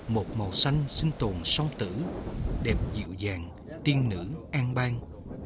một màu xanh sinh tồn song tử đẹp dịu dàng tiên nữ an bang